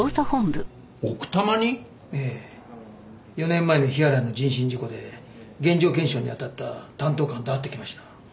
４年前の日原の人身事故で現場検証に当たった担当官と会ってきました。